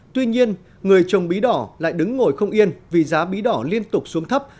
tuy nhiên người trồng bí đỏ lại đứng ngồi không yên vì giá bí đỏ liên tục xuống thấp